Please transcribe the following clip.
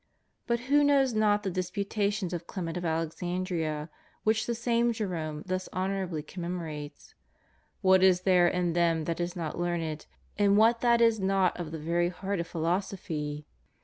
* But who knows not the disputations of Clement of Alex andria, which the same Jerome thus honorably com memorates: "What is there in them that is not learned, and what that is not of the very heart of philosophy?'"